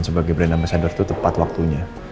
sebagai brand ambasador itu tepat waktunya